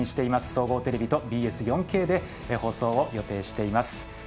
総合テレビとＢＳ４Ｋで放送を予定しています。